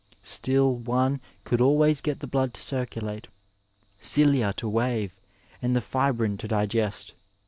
Still one could always get the blood to circulate, cilia to wave and the fibrin to digest.